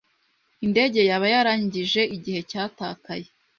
Indege yaba yarangije igihe cyatakaye?